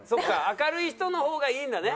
明るい人の方がいいんだね。